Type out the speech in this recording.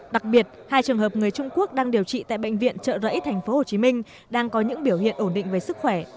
đặc biệt hai trường hợp người trung quốc đang điều trị tại bệnh viện trợ rẫy tp hcm đang có những biểu hiện ổn định về sức khỏe